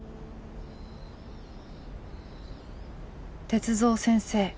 鉄三先生